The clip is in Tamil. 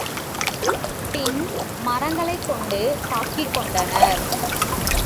பின் மரங்களைக் கொண்டு தாக்கிக் கொண்டனர்.